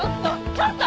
ちょっと！